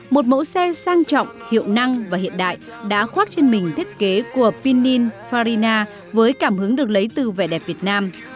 một mẫu xe sang trọng hiệu năng và hiện đại đã khoác trên mình thiết kế của pin farina với cảm hứng được lấy từ vẻ đẹp việt nam